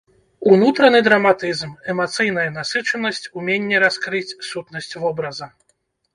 Унутраны драматызм, эмацыйная насычанасць, уменне раскрыць сутнасць вобраза.